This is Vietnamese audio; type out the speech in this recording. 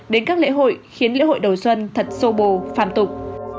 đến các lễ hội khiến lễ hội đầu xuân thật sô bồ phạm tục